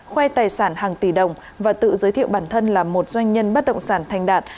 khoe tài sản hàng tỷ đồng và tự giới thiệu bản thân là một doanh nhân bất động sản thành đạt